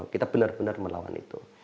kita benar benar melawan itu